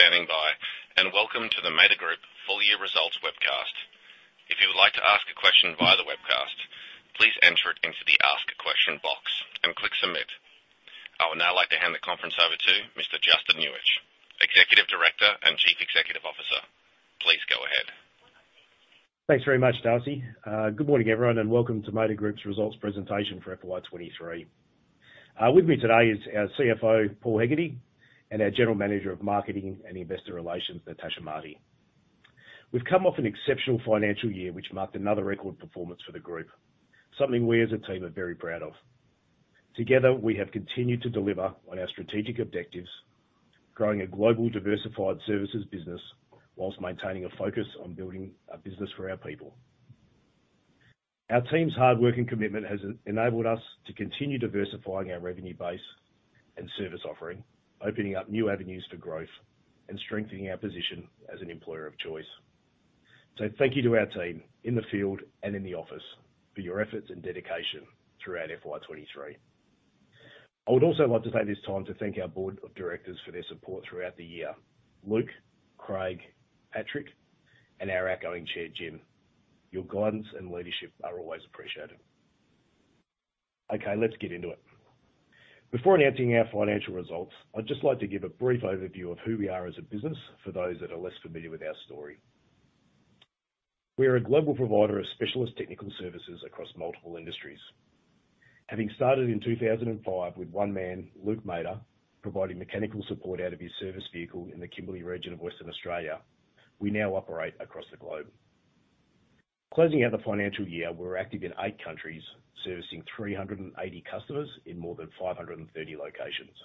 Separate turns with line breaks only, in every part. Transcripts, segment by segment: Thank you for standing by, welcome to the Mader Group full year results webcast. If you would like to ask a question via the webcast, please enter it into the Ask a Question box and click Submit. I would now like to hand the conference over to Mr. Justin Nuich, Executive Director and Chief Executive Officer. Please go ahead.
Thanks very much, Darcy. Good morning, everyone, welcome to Mader Group's results presentation for FY23. With me today is our CFO, Paul Hegarty, our General Manager of Marketing and Investor Relations, Natasha Marti. We've come off an exceptional financial year, which marked another record performance for the group, something we as a team are very proud of. Together, we have continued to deliver on our strategic objectives, growing a global diversified services business whilst maintaining a focus on building a business for our people. Our team's hard work and commitment has enabled us to continue diversifying our revenue base and service offering, opening up new avenues for growth and strengthening our position as an employer of choice. Thank you to our team in the field and in the office for your efforts and dedication throughout FY23. I would also like to take this time to thank our board of directors for their support throughout the year. Luke, Craig, Patrick, and our outgoing chair, Jim. Your guidance and leadership are always appreciated. Okay, let's get into it. Before announcing our financial results, I'd just like to give a brief overview of who we are as a business for those that are less familiar with our story. We are a global provider of specialist technical services across multiple industries. Having started in 2005 with one man, Luke Mader, providing mechanical support out of his service vehicle in the Kimberley region of Western Australia, we now operate across the globe. Closing out the financial year, we're active in eight countries, servicing 380 customers in more than 530 locations.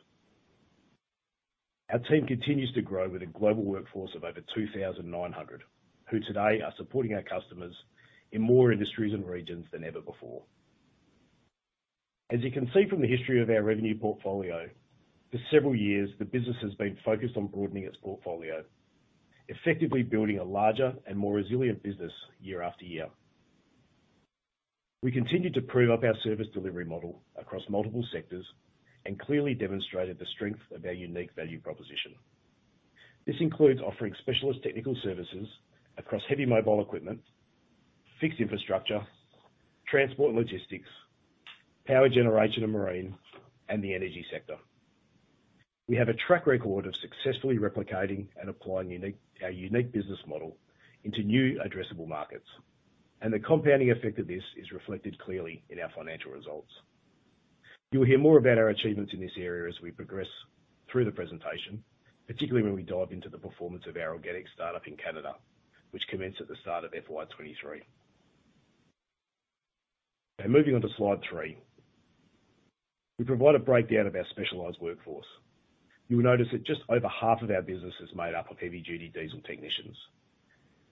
Our team continues to grow with a global workforce of over 2,900, who today are supporting our customers in more industries and regions than ever before. As you can see from the history of our revenue portfolio, for several years, the business has been focused on broadening its portfolio, effectively building a larger and more resilient business year after year. We continued to prove up our service delivery model across multiple sectors and clearly demonstrated the strength of our unique value proposition. This includes offering specialist technical services across heavy mobile equipment, fixed infrastructure, transport and logistics, power generation and marine, and the energy sector. We have a track record of successfully replicating and applying our unique business model into new addressable markets, and the compounding effect of this is reflected clearly in our financial results. You'll hear more about our achievements in this area as we progress through the presentation, particularly when we dive into the performance of our organic startup in Canada, which commenced at the start of FY23. Moving on to slide three. We provide a breakdown of our specialized workforce. You'll notice that just over half of our business is made up of heavy duty diesel technicians.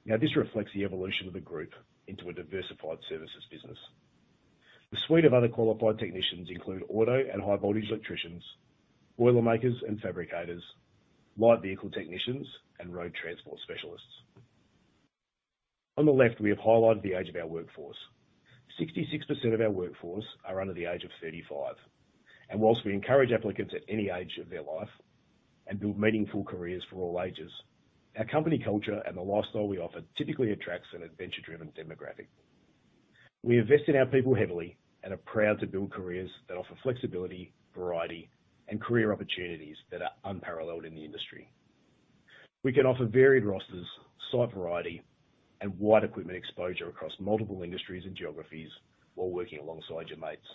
Now, this reflects the evolution of the group into a diversified services business. The suite of other qualified technicians include auto and high voltage electricians, boilermakers and fabricators, light vehicle technicians, and road transport specialists. On the left, we have highlighted the age of our workforce. 66% of our workforce are under the age of 35, whilst we encourage applicants at any age of their life and build meaningful careers for all ages, our company culture and the lifestyle we offer typically attracts an adventure-driven demographic. We invest in our people heavily and are proud to build careers that offer flexibility, variety, and career opportunities that are unparalleled in the industry. We can offer varied rosters, site variety, and wide equipment exposure across multiple industries and geographies while working alongside your mates.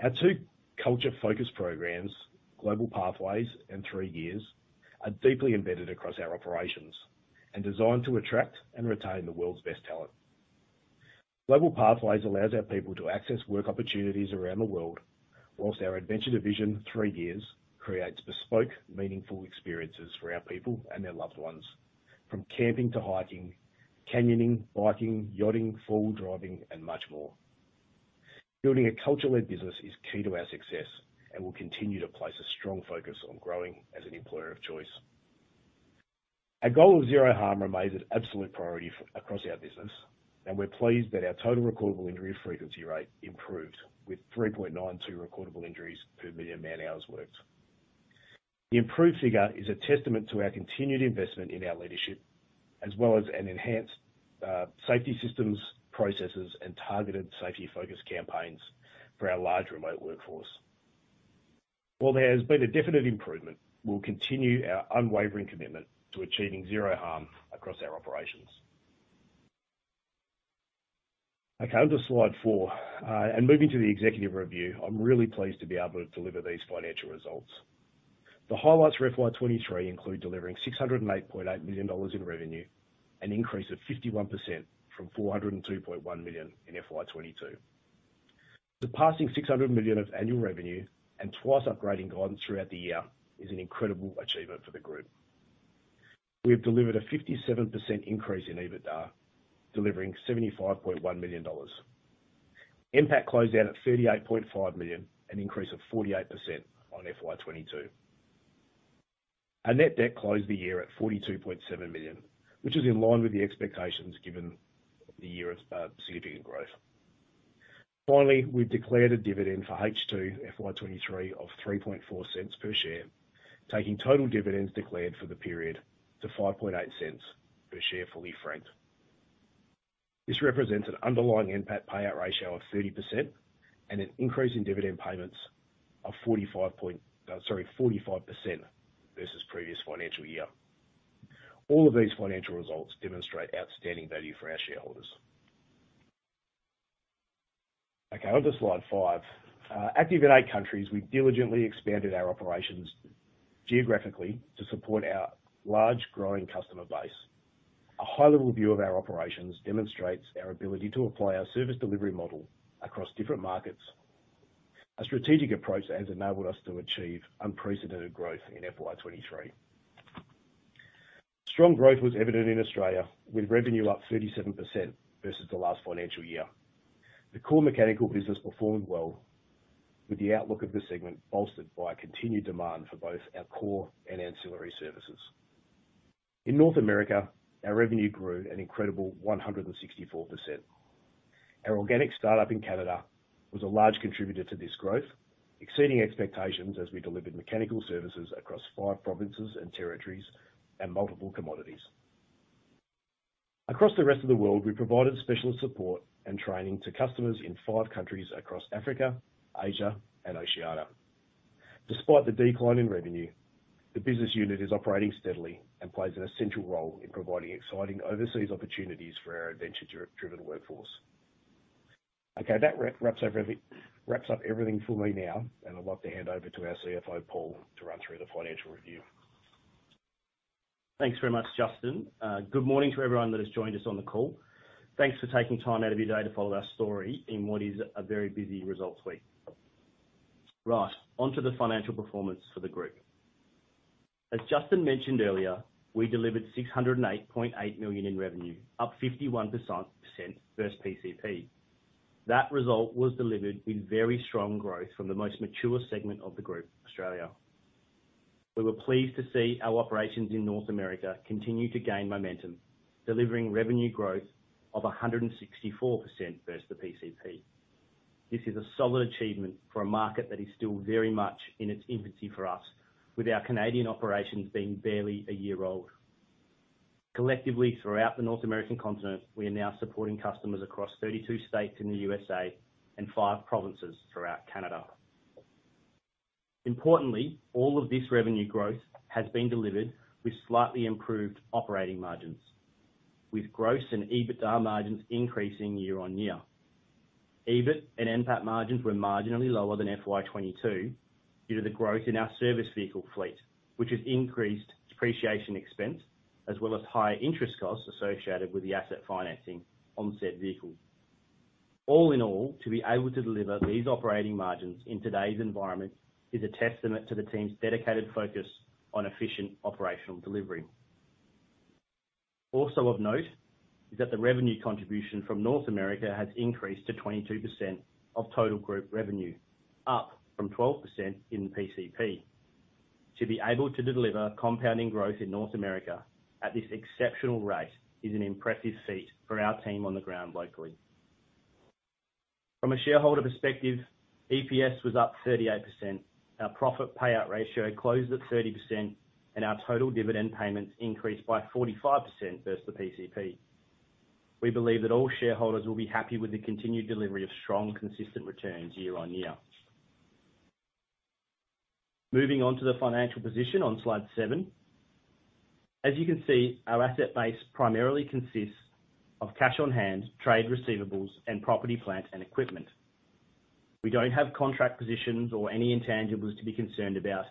Our two culture focus programs, Global Pathways and Three Gears, are deeply embedded across our operations and designed to attract and retain the world's best talent. Global Pathways allows our people to access work opportunities around the world, whilst our adventure division, Three Gears, creates bespoke, meaningful experiences for our people and their loved ones, from camping to hiking, canyoning, biking, yachting, four-wheel driving, and much more. Building a culture-led business is key to our success and will continue to place a strong focus on growing as an employer of choice. Our goal of zero harm remains an absolute priority across our business, and we're pleased that our Total Recordable Injury Frequency Rate improved with 3.92 recordable injuries per million man-hours worked. The improved figure is a testament to our continued investment in our leadership, as well as an enhanced safety systems, processes, and targeted safety focus campaigns for our large remote workforce. While there's been a definite improvement, we'll continue our unwavering commitment to achieving zero harm across our operations. Okay, on to slide four. Moving to the executive review, I'm really pleased to be able to deliver these financial results. The highlights for FY23 include delivering 608.8 million dollars in revenue, an increase of 51% from 402.1 million in FY22. Surpassing 600 million of annual revenue and twice upgrading guidance throughout the year is an incredible achievement for the group. We have delivered a 57% increase in EBITDA, delivering 75.1 million dollars. NPAT closed out at 38.5 million, an increase of 48% on FY22. Our net debt closed the year at 42.7 million, which is in line with the expectations given the year of significant growth. Finally, we've declared a dividend for H2 FY23 of 0.034 per share, taking total dividends declared for the period to 0.058 per share, fully franked. This represents an underlying NPAT payout ratio of 30% and an increase in dividend payments of 45% versus previous financial year. All of these financial results demonstrate outstanding value for our shareholders. Okay, on to slide five. Active in eight countries, we've diligently expanded our operations geographically to support our large, growing customer base. A high-level view of our operations demonstrates our ability to apply our service delivery model across different markets. A strategic approach that has enabled us to achieve unprecedented growth in FY23. Strong growth was evident in Australia, with revenue up 37% versus the last financial year. The core mechanical business performed well, with the outlook of this segment bolstered by a continued demand for both our core and ancillary services. In North America, our revenue grew an incredible 164%. Our organic startup in Canada was a large contributor to this growth, exceeding expectations as we delivered mechanical services across five provinces and territories and multiple commodities. Across the rest of the world, we provided specialist support and training to customers in five countries across Africa, Asia, and Oceania. Despite the decline in revenue, the business unit is operating steadily and plays an essential role in providing exciting overseas opportunities for our adventure-driven workforce. Okay, that wraps up everything for me now, I'd like to hand over to our CFO, Paul, to run through the financial review.
Thanks very much, Justin. Good morning to everyone that has joined us on the call. Thanks for taking time out of your day to follow our story in what is a very busy results week. Right, onto the financial performance for the group. As Justin mentioned earlier, we delivered 608.8 million in revenue, up 51% versus PCP. That result was delivered with very strong growth from the most mature segment of the group, Australia. We were pleased to see our operations in North America continue to gain momentum, delivering revenue growth of 164% versus the PCP. This is a solid achievement for a market that is still very much in its infancy for us, with our Canadian operations being barely a year old. Collectively, throughout North America, we are now supporting customers across 32 states in the USA and 5 provinces throughout Canada. Importantly, all of this revenue growth has been delivered with slightly improved operating margins, with gross and EBITDA margins increasing year-on-year. EBIT and NPAT margins were marginally lower than FY22 due to the growth in our service vehicle fleet, which has increased depreciation expense, as well as higher interest costs associated with the asset financing on said vehicles. All in all, to be able to deliver these operating margins in today's environment is a testament to the team's dedicated focus on efficient operational delivery. Also of note, is that the revenue contribution from North America has increased to 22% of total group revenue, up from 12% in the PCP. To be able to deliver compounding growth in North America at this exceptional rate is an impressive feat for our team on the ground locally. From a shareholder perspective, EPS was up 38%, our profit payout ratio closed at 30%, our total dividend payments increased by 45% versus the PCP. We believe that all shareholders will be happy with the continued delivery of strong, consistent returns year on year. Moving on to the financial position on slide seven. As you can see, our asset base primarily consists of cash on hand, trade receivables, and property, plant, and equipment. We don't have contract positions or any intangibles to be concerned about,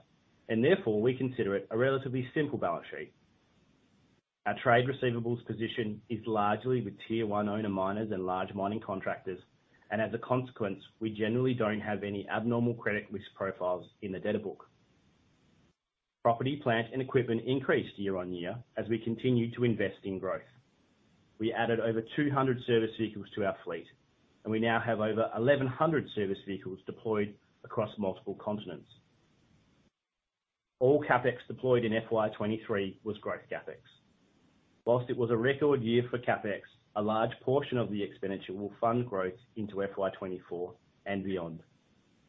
therefore, we consider it a relatively simple balance sheet. Our trade receivables position is largely with Tier 1 owner miners and large mining contractors. As a consequence, we generally don't have any abnormal credit risk profiles in the debtor book. Property, plant, and equipment increased year-on-year as we continued to invest in growth. We added over 200 service vehicles to our fleet. We now have over 1,100 service vehicles deployed across multiple continents. All CapEx deployed in FY23 was growth CapEx. Whilst it was a record year for CapEx, a large portion of the expenditure will fund growth into FY24 and beyond.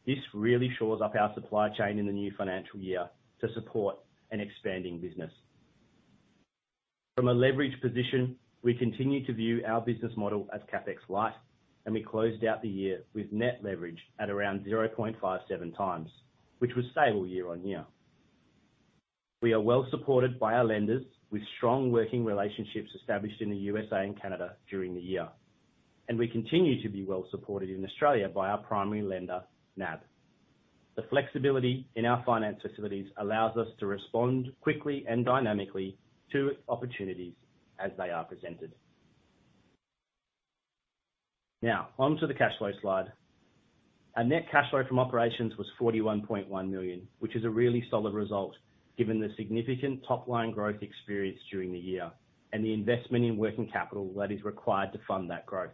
This really shores up our supply chain in the new financial year to support an expanding business. From a leverage position, we continue to view our business model as CapEx light. We closed out the year with net leverage at around 0.57 times, which was stable year-on-year. We are well supported by our lenders, with strong working relationships established in the USA and Canada during the year. We continue to be well supported in Australia by our primary lender, NAB. The flexibility in our finance facilities allows us to respond quickly and dynamically to opportunities as they are presented. Onto the cash flow slide. Our net cash flow from operations was 41.1 million, which is a really solid result given the significant top-line growth experienced during the year and the investment in working capital that is required to fund that growth.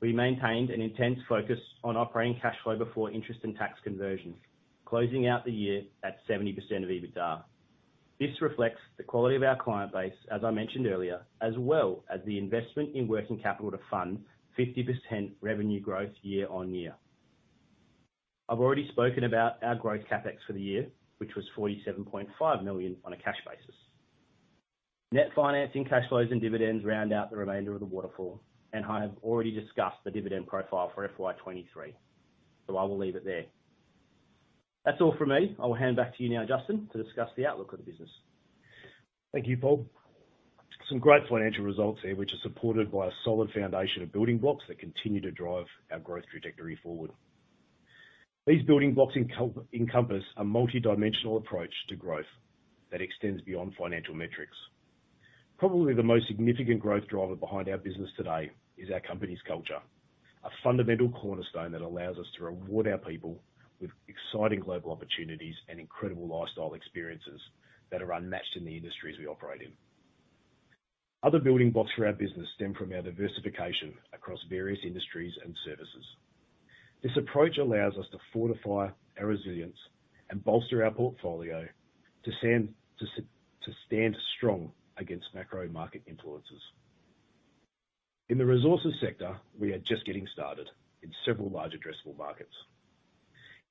We maintained an intense focus on operating cash flow before interest and tax conversions, closing out the year at 70% of EBITDA. This reflects the quality of our client base, as I mentioned earlier, as well as the investment in working capital to fund 50% revenue growth year on year. I've already spoken about our growth CapEx for the year, which was 47.5 million on a cash basis. Net financing, cash flows, and dividends round out the remainder of the waterfall, and I have already discussed the dividend profile for FY23, so I will leave it there. That's all from me. I will hand back to you now, Justin, to discuss the outlook of the business.
Thank you, Paul. Some great financial results here, which are supported by a solid foundation of building blocks that continue to drive our growth trajectory forward. These building blocks encompass a multidimensional approach to growth that extends beyond financial metrics. Probably the most significant growth driver behind our business today is our company's culture, a fundamental cornerstone that allows us to reward our people with exciting global opportunities and incredible lifestyle experiences that are unmatched in the industries we operate in. Other building blocks for our business stem from our diversification across various industries and services. This approach allows us to fortify our resilience and bolster our portfolio to stand, to stand strong against macro market influences. In the resources sector, we are just getting started in several large addressable markets.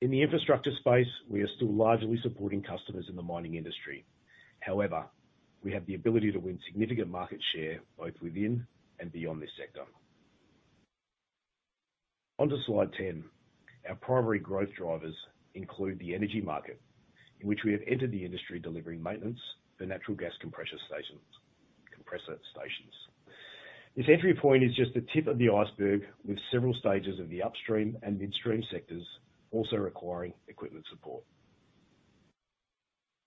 In the infrastructure space, we are still largely supporting customers in the mining industry. However, we have the ability to win significant market share, both within and beyond this sector. On to slide 10. Our primary growth drivers include the energy market, in which we have entered the industry delivering maintenance for natural gas compressor stations. This entry point is just the tip of the iceberg, with several stages of the upstream and midstream sectors also requiring equipment support.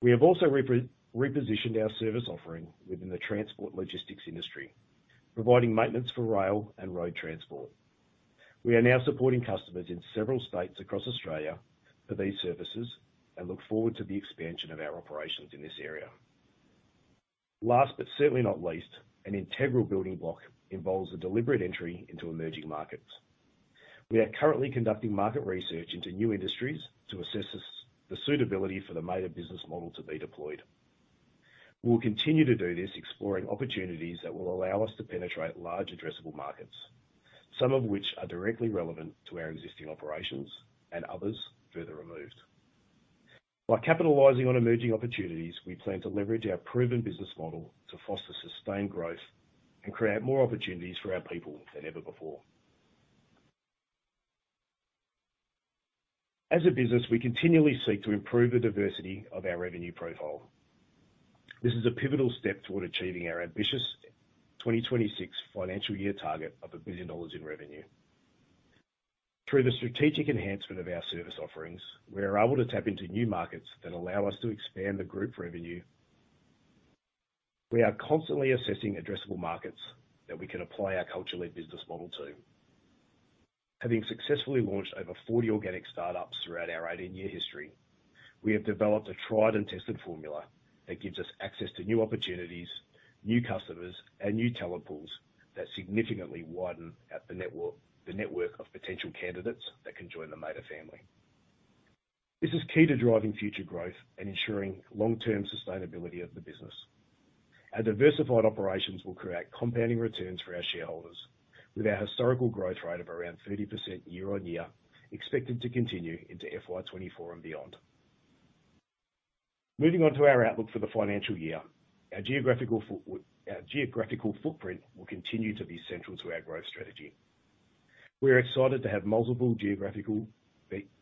We have also repositioned our service offering within the transport logistics industry, providing maintenance for rail and road transport. We are now supporting customers in several states across Australia for these services and look forward to the expansion of our operations in this area. Last, but certainly not least, an integral building block involves a deliberate entry into emerging markets. We are currently conducting market research into new industries to assess the suitability for the Mader business model to be deployed. We'll continue to do this, exploring opportunities that will allow us to penetrate large addressable markets, some of which are directly relevant to our existing operations and others further removed. By capitalizing on emerging opportunities, we plan to leverage our proven business model to foster sustained growth and create more opportunities for our people than ever before. As a business, we continually seek to improve the diversity of our revenue profile. This is a pivotal step toward achieving our ambitious 2026 financial year target of 1 billion dollars in revenue. Through the strategic enhancement of our service offerings, we are able to tap into new markets that allow us to expand the group revenue. We are constantly assessing addressable markets that we can apply our culturally business model to. Having successfully launched over 40 organic startups throughout our 18-year history, we have developed a tried-and-tested formula that gives us access to new opportunities, new customers, and new talent pools that significantly widen the network of potential candidates that can join the Mader family. This is key to driving future growth and ensuring long-term sustainability of the business. Our diversified operations will create compounding returns for our shareholders, with our historical growth rate of around 30% year on year expected to continue into FY24 and beyond. Moving on to our outlook for the financial year, our geographical footprint will continue to be central to our growth strategy. We are excited to have multiple geographical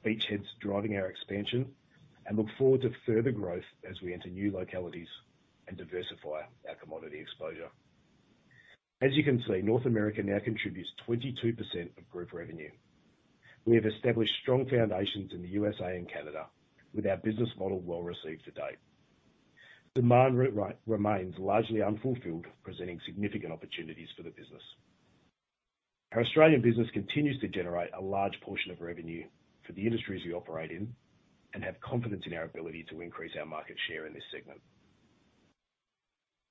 beachheads driving our expansion and look forward to further growth as we enter new localities and diversify our commodity exposure. As you can see, North America now contributes 22% of group revenue. We have established strong foundations in the USA and Canada, with our business model well received to date. Demand remains largely unfulfilled, presenting significant opportunities for the business. Our Australian business continues to generate a large portion of revenue for the industries we operate in and have confidence in our ability to increase our market share in this segment.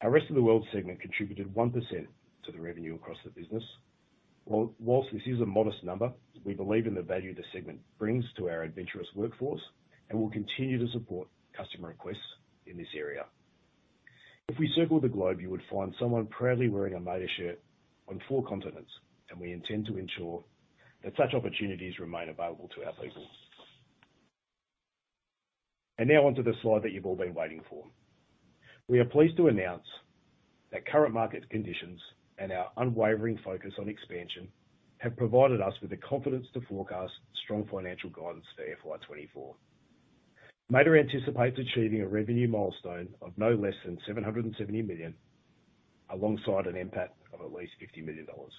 Our rest of the world segment contributed 1% to the revenue across the business. Whilst this is a modest number, we believe in the value the segment brings to our adventurous workforce and will continue to support customer requests in this area. If we circle the globe, you would find someone proudly wearing a Mader shirt on four continents, and we intend to ensure that such opportunities remain available to our people. Now on to the slide that you've all been waiting for. We are pleased to announce that current market conditions and our unwavering focus on expansion have provided us with the confidence to forecast strong financial guidance for FY24. Mader anticipates achieving a revenue milestone of no less than 770 million, alongside an NPAT of at least 50 million dollars.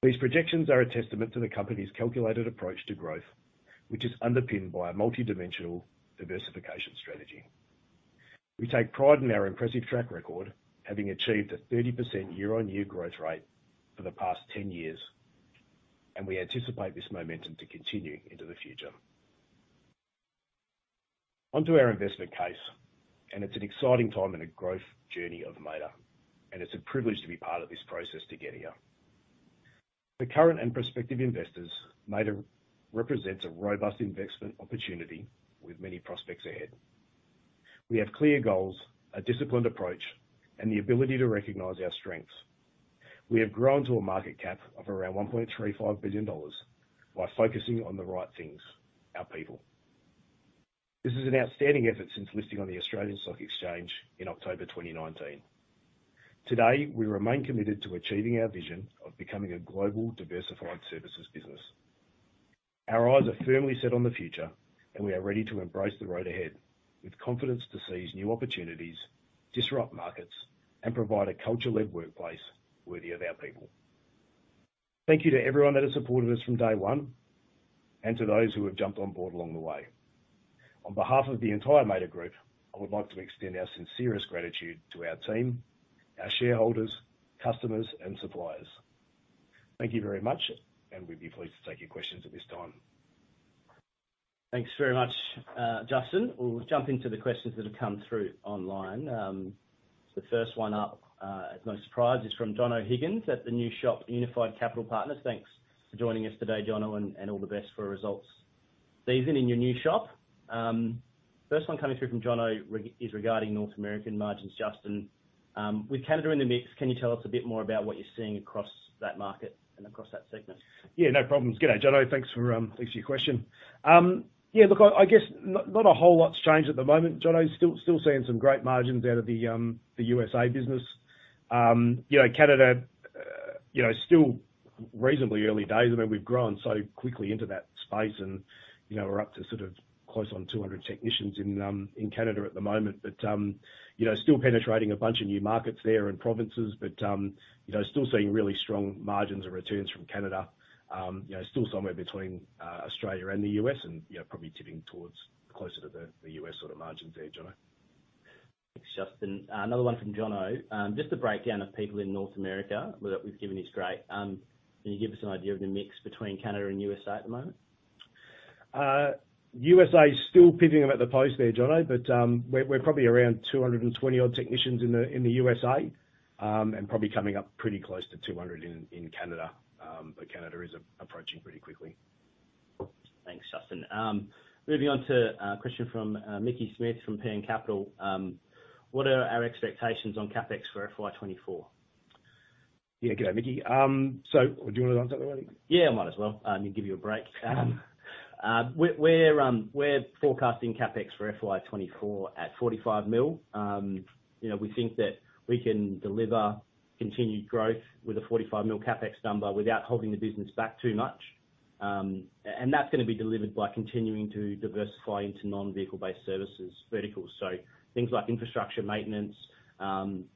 These projections are a testament to the company's calculated approach to growth, which is underpinned by a multidimensional diversification strategy. We take pride in our impressive track record, having achieved a 30% year-on-year growth rate for the past 10 years, and we anticipate this momentum to continue into the future. Onto our investment case, and it's an exciting time in the growth journey of Mader, and it's a privilege to be part of this process to get here. For current and prospective investors, Mader represents a robust investment opportunity with many prospects ahead. We have clear goals, a disciplined approach, and the ability to recognize our strengths. We have grown to a market cap of around 1.35 billion dollars by focusing on the right things, our people. This is an outstanding effort since listing on the Australian Securities Exchange in October 2019. Today, we remain committed to achieving our vision of becoming a global diversified services business. Our eyes are firmly set on the future, and we are ready to embrace the road ahead with confidence to seize new opportunities, disrupt markets, and provide a culture-led workplace worthy of our people. Thank you to everyone that has supported us from day one, and to those who have jumped on board along the way. On behalf of the entire Mader Group, I would like to extend our sincerest gratitude to our team, our shareholders, customers, and suppliers. Thank you very much, and we'd be pleased to take your questions at this time.
Thanks very much, Justin. We'll jump into the questions that have come through online. The first one up, as no surprise, is from Jono Higgins at the new shop, Unified Capital Partners. Thanks for joining us today, Jono, and, and all the best for results season in your new shop. First one coming through from Jono is regarding North American margins, Justin. With Canada in the mix, can you tell us a bit more about what you're seeing across that market and across that segment?
Yeah, no problems. G'day, Jono. Thanks for, thanks for your question. Yeah, look, I, I guess not, not a whole lot's changed at the moment, Jono. Still, still seeing some great margins out of the USA business. You know, Canada, you know, still reasonably early days. I mean, we've grown so quickly into that space and, you know, we're up to sort of close on 200 technicians in Canada at the moment. You know, still penetrating a bunch of new markets there and provinces, but, you know, still seeing really strong margins and returns from Canada. You know, still somewhere between Australia and the US and, you know, probably tipping towards closer to the US sort of margins there, Jono.
Thanks, Justin. Another one from Jono. Just a breakdown of people in North America we've given you is great. Can you give us an idea of the mix between Canada and USA at the moment?
USA is still pipping them at the post there, Jono, but we're, we're probably around 220 odd technicians in the, in the USA, and probably coming up pretty close to 200 in, in Canada. Canada is approaching pretty quickly.
Thanks, Justin. Moving on to a question from Mike Smith from Petra Capital. What are our expectations on CapEx for FY24?
Yeah. Good day, Mike. Do you wanna answer that one?
Yeah, I might as well, me give you a break. We're forecasting CapEx for FY24 at 45 million. You know, we think that we can deliver continued growth with an 45 million CapEx number without holding the business back too much. That's gonna be delivered by continuing to diversify into non-vehicle based services verticals, so things like infrastructure maintenance,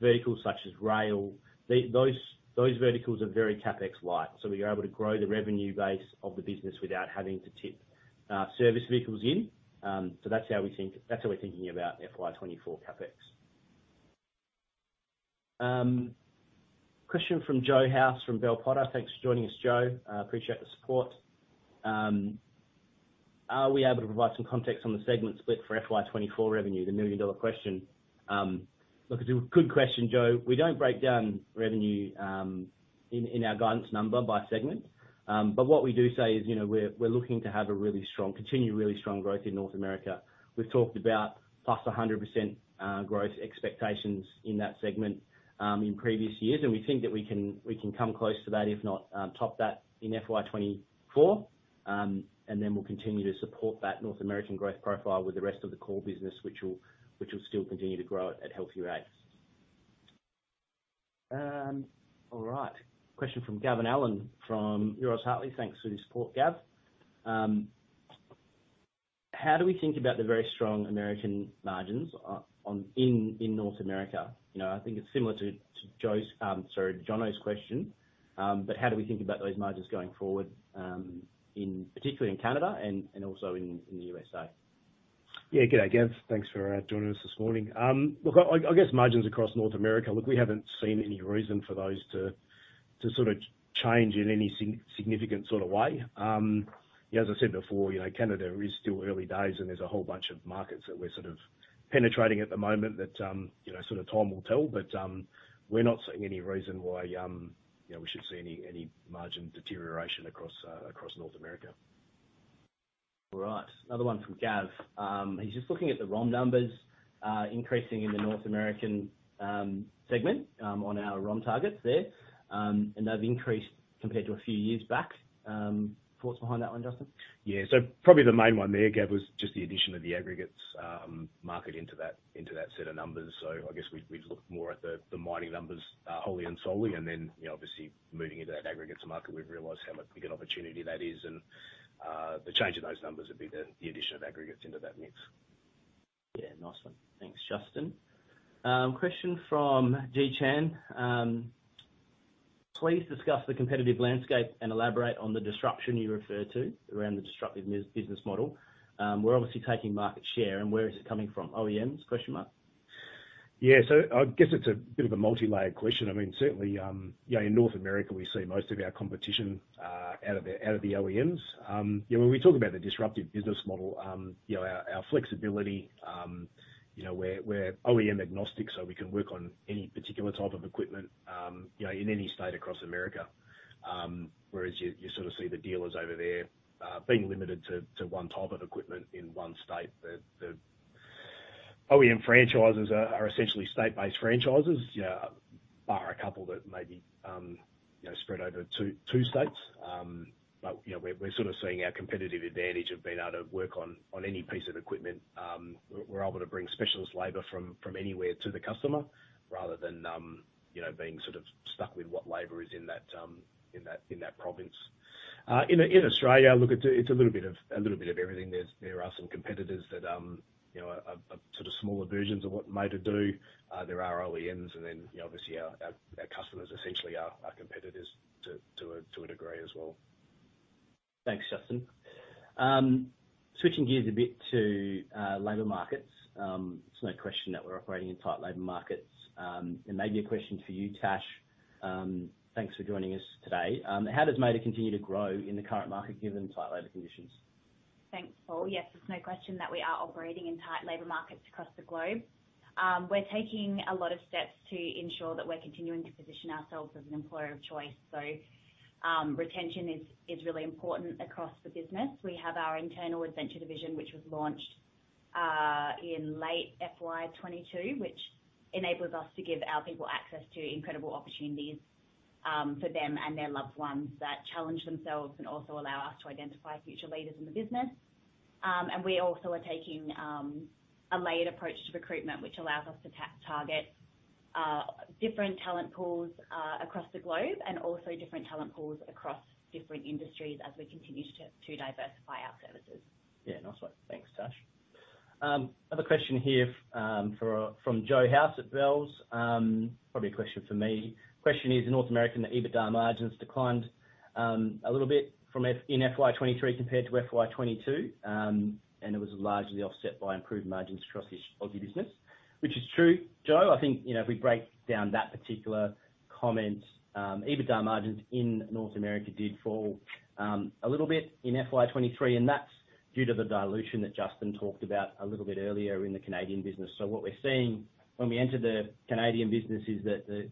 vehicles such as rail. Those, those verticals are very CapEx light, so we are able to grow the revenue base of the business without having to tip service vehicles in. That's how we think... That's how we're thinking about FY24 CapEx. Question from Joe House, from Bell Potter. Thanks for joining us, Joe. Appreciate the support. Are we able to provide some context on the segment split for FY24 revenue? The million-dollar question. Look, it's a good question, Joe. We don't break down revenue in our guidance number by segment. What we do say is, you know, we're looking to continue really strong growth in North America. We've talked about +100% growth expectations in that segment in previous years, and we think that we can come close to that, if not top that in FY24. Then we'll continue to support that North American growth profile with the rest of the core business, which will still continue to grow at healthier rates. All right. Question from Gavin Allen, from Euroz Hartleys. Thanks for the support, Gav. How do we think about the very strong American margins in North America? You know, I think it's similar to, to Joe's, sorry, Jono's question, but how do we think about those margins going forward, in particularly in Canada and, and also in, in the USA?
Yeah. Good day, Gav. Thanks for joining us this morning. Look, I, I, I guess margins across North America, look, we haven't seen any reason for those to, to sort of change in any significant sort of way. Yeah, as I said before, you know, Canada is still early days, and there's a whole bunch of markets that we're sort of penetrating at the moment that, you know, sort of time will tell. We're not seeing any reason why, you know, we should see any, any margin deterioration across across North America.
All right. Another one from Gav. He's just looking at the ROM numbers, increasing in the North American segment, on our ROM targets there. They've increased compared to a few years back. Thoughts behind that one, Justin?
Probably the main one there, Gav, was just the addition of the aggregates market into that, into that set of numbers. I guess we've, we've looked more at the, the mining numbers, wholly and solely, and then, you know, obviously moving into that aggregates market, we've realized how much big an opportunity that is, and the change in those numbers would be the, the addition of aggregates into that mix.
Yeah. Nice one. Thanks, Justin. Question from Ji Chan. Please discuss the competitive landscape and elaborate on the disruption you refer to around the disruptive business model. We're obviously taking market share, and where is it coming from? OEMs?
Yeah, so I guess it's a bit of a multi-layered question. I mean, certainly, you know, in North America, we see most of our competition out of the, out of the OEMs. Yeah, when we talk about the disruptive business model, you know, our, our flexibility, you know, we're, we're OEM agnostic, so we can work on any particular type of equipment, you know, in any state across America. Whereas you, you sort of see the dealers over there, being limited to, to one type of equipment in one state. The, the OEM franchises are, are essentially state-based franchises, bar a couple that may be, you know, spread over two, two states. You know, we're, we're sort of seeing our competitive advantage of being able to work on, on any piece of equipment. We're able to bring specialist labor from, from anywhere to the customer rather than, you know, being sort of stuck with what labor is in that, in that, in that province. In, in Australia, look, it's, it's a little bit of, a little bit of everything. There's, there are some competitors that, you know, are, are sort of smaller versions of what Mader do. There are OEMs, and then, you know, obviously our, our, our customers essentially are, are competitors to, to a, to a degree as well.
Thanks, Justin. Switching gears a bit to labor markets. There's no question that we're operating in tight labor markets. Maybe a question for you, Tash. Thanks for joining us today. How does Mader continue to grow in the current market, given tight labor conditions?
Thanks, Paul. Yes, there's no question that we are operating in tight labor markets across the globe. We're taking a lot of steps to ensure that we're continuing to position ourselves as an employer of choice. Retention is, is really important across the business. We have our internal adventure division, which was launched in late FY22, which enables us to give our people access to incredible opportunities for them and their loved ones, that challenge themselves and also allow us to identify future leaders in the business. We also are taking a layered approach to recruitment, which allows us to target different talent pools across the globe, and also different talent pools across different industries as we continue to diversify our services.
Yeah. Nice one. Thanks, Tash. Other question here, for, from Joe House at Bells. Probably a question for me. Question is, in North America, the EBITDA margins declined a little bit in FY23 compared to FY22. It was largely offset by improved margins across the Aussie business, which is true, Joe. I think, you know, if we break down that particular comment, EBITDA margins in North America did fall a little bit in FY23, and that's due to the dilution that Justin talked about a little bit earlier in the Canadian business. What we're seeing when we entered the Canadian business is that the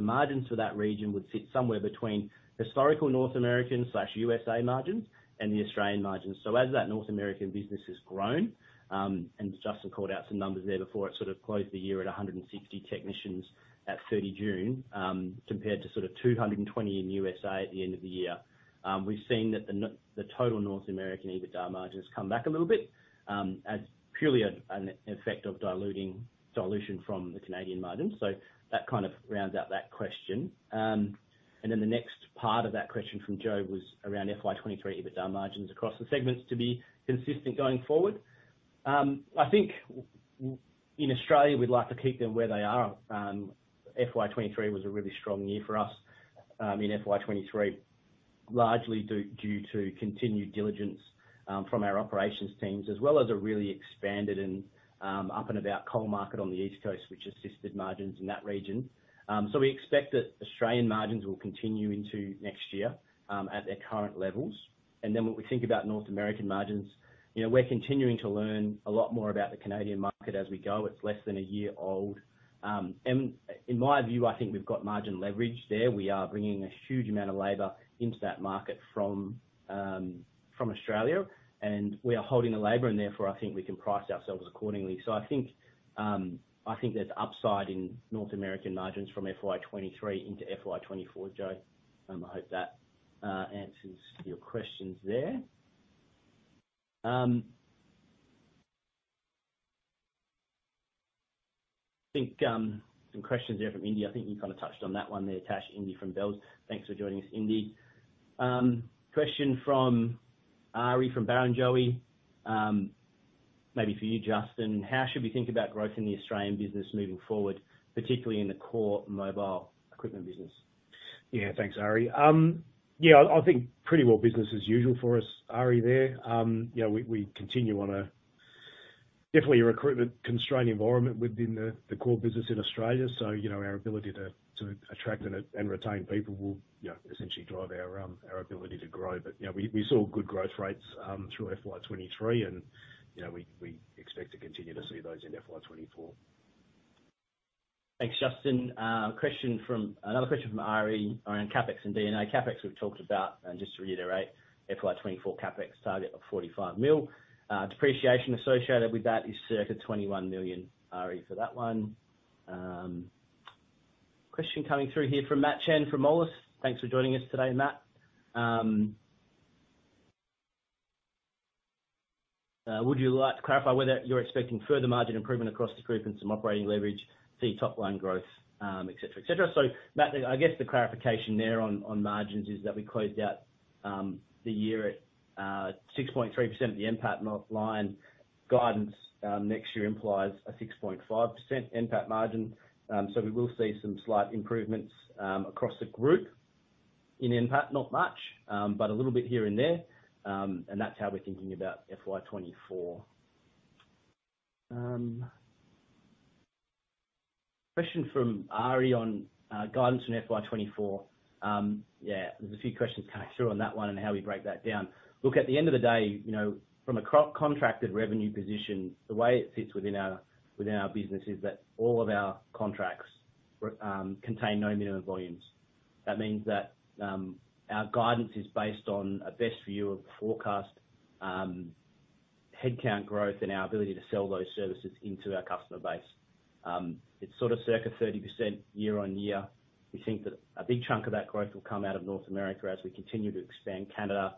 margins for that region would sit somewhere between historical North American slash USA margins and the Australian margins. As that North American business has grown, and Justin called out some numbers there before, it sort of closed the year at 160 technicians at June 30, compared to sort of 220 in USA at the end of the year. We've seen that the total North American EBITDA margin has come back a little bit, as purely an effect of diluting dilution from the Canadian margin. That kind of rounds out that question. Then the next part of that question from Joe was around FY23 EBITDA margins across the segments to be consistent going forward. I think in Australia, we'd like to keep them where they are. FY23 was a really strong year for us, in FY23, largely due, due to continued diligence from our operations teams, as well as a really expanded and up-and-about coal market on the East Coast, which assisted margins in that region. We expect that Australian margins will continue into next year at their current levels. And then when we think about North American margins, you know, we're continuing to learn a lot more about the Canadian market as we go. It's less than a year old. And in my view, I think we've got margin leverage there. We are bringing a huge amount of labor into that market from Australia, and we are holding the labor, and therefore, I think we can price ourselves accordingly. I think, I think there's upside in North American margins from FY23 into FY24, Joe. I hope that answers your questions there. I think some questions there from Indy. I think you kind of touched on that one there, Tash. Indy from Bells. Thanks for joining us, Indy. Question from Ari, from Barrenjoey, maybe for you, Justin: How should we think about growth in the Australian business moving forward, particularly in the core mobile equipment business?
Yeah. Thanks, Ari. Yeah, I, I think pretty well business as usual for us, Ari, there. You know, we, we continue on a definitely a recruitment-constrained environment within the, the core business in Australia. You know, our ability to, to attract and, and retain people will, you know, essentially drive our ability to grow. You know, we, we saw good growth rates through FY23, and, you know, we, we expect to continue to see those in FY24.
Thanks, Justin. Question from Ari, around CapEx and DNA CapEx, we've talked about, and just to reiterate, FY 2024 CapEx target of 45 million. Depreciation associated with that is circa 21 million, Ari, for that one. Question coming through here from Matthew Chen, from MA Moelis Australia. Thanks for joining us today, Matt. Would you like to clarify whether you're expecting further margin improvement across the group and some operating leverage, see top line growth, et cetera, et cetera? Matt, I guess the clarification there on, on margins is that we closed out the year at 6.3% of the NPAT offline guidance. Next year implies a 6.5% NPAT margin. We will see some slight improvements across the group in NPAT, not much, but a little bit here and there. That's how we're thinking about FY24. Question from Ari on guidance from FY24. Yeah, there's a few questions coming through on that one and how we break that down. Look, at the end of the day, you know, from a contracted revenue position, the way it fits within our, within our business is that all of our contracts contain no minimum volumes. That means that our guidance is based on a best view of the forecast headcount growth and our ability to sell those services into our customer base. It's sort of circa 30% year-over-year. We think that a big chunk of that growth will come out of North America as we continue to expand Canada,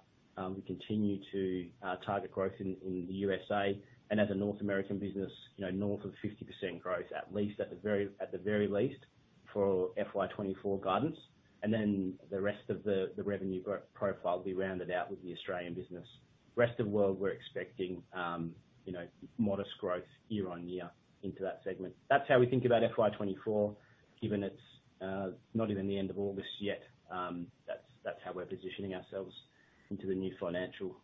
we continue to target growth in the USA. As a North American business, you know, north of 50% growth, at least at the very, at the very least, for FY24 guidance. The rest of the, the revenue profile will be rounded out with the Australian business. Rest of world, we're expecting, you know, modest growth year on year into that segment. That's how we think about FY24, given it's not even the end of August yet, that's, that's how we're positioning ourselves into the new financial.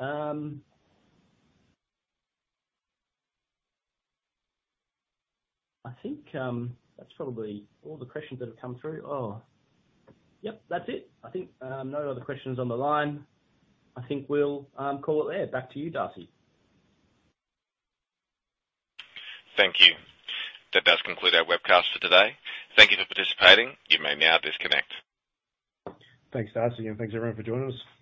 I think that's probably all the questions that have come through. Oh, yep, that's it. I think, no other questions on the line. I think we'll call it there. Back to you, Darcy.
Thank you. That does conclude our webcast for today. Thank you for participating. You may now disconnect.
Thanks, Darcy, and thanks, everyone, for joining us.